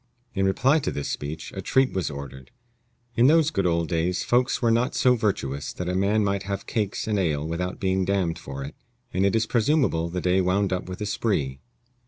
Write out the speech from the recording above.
In reply to this speech a treat was ordered. In those good old days folks were not so virtuous but that a man might have cakes and ale without being damned for it, and it is presumable the day wound up with a spree.